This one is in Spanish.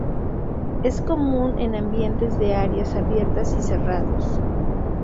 Es común en ambientes de áreas abiertas y cerrados.